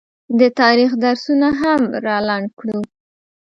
د تاریخ درسونه هم رالنډ کړو